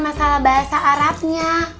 masalah bahasa arabnya